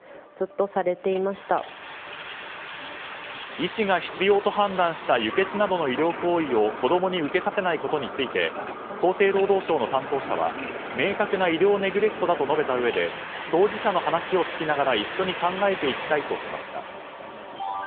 医師が必要と判断した輸血などの医療行為を子供に受けさせないことについて厚生労働省の担当者は明確な医療ネグレクトだと述べたうえで当事者の話を聞きながら一緒に考えていきたいとしました。